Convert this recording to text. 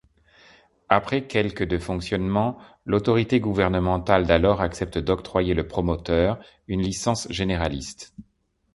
Après quelques de fonctionnement, l'autorité gouvernemental d'alors accepte d'octroyer le promoteur une licence généraliste.